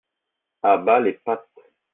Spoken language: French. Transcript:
À bas les pattes !